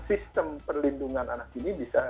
sistem perlindungan anak ini bisa